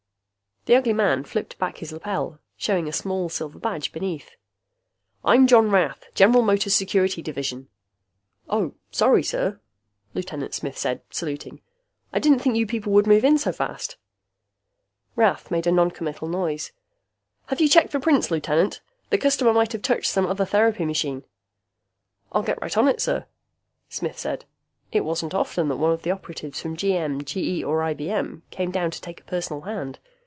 The ugly man flipped back his lapel, showing a small silver badge beneath. "I'm John Rath, General Motors Security Division." "Oh ... Sorry, sir," Lieutenant Smith said, saluting. "I didn't think you people would move in so fast." Rath made a noncommittal noise. "Have you checked for prints, Lieutenant? The customer might have touched some other therapy machine." "I'll get right on it, sir," Smith said. It wasn't often that one of the operatives from GM, GE, or IBM came down to take a personal hand.